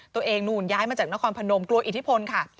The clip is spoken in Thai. นู่นย้ายมาจากนครพนมกลัวอิทธิพลค่ะ